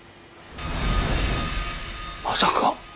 まさか。